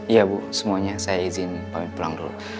iya bu semuanya saya izin pak pulang dulu